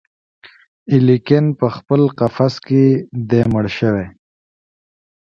الیکین پخپل قفس کي دی مړ شوی